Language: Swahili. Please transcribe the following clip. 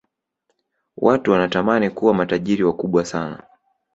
watu wanatamani kuwa matajiri wakubwa sana